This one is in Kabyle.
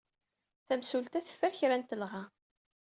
Tamsulta teffer kra n telɣa.